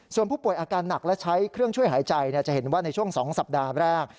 ส่วนผู้ป่วยอาการหนักและใช้เครื่องช่วยหายใจจะเห็นว่าในช่วง๒สัปดาห์แรก